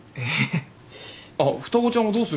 あっ双子ちゃんはどうするんですか？